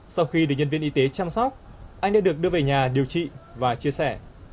sau khi được nhân viên y tế chăm sóc anh đã được đưa về nhà điều trị và chia sẻ